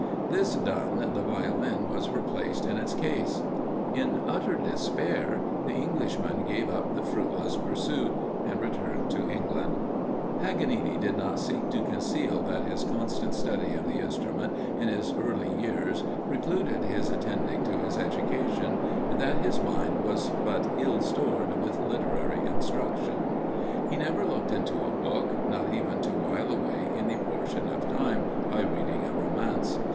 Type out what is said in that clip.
This done, the Violin was replaced in its case. In utter despair, the Englishman gave up the fruitless pursuit, and returned to England. Paganini did not seek to conceal that his constant study of the instrument in his early years precluded his attending to his education, and that his mind was but ill stored with literary instruction. He never looked into a book, not even to wile away any portion of time by reading a romance.